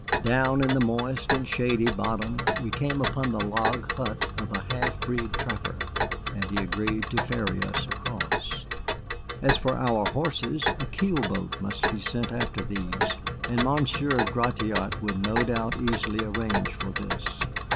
Down in the moist and shady bottom we came upon the log hut of a half breed trapper, and he agreed to ferry us across. As for our horses, a keel boat must be sent after these, and Monsieur Gratiot would no doubt easily arrange for this.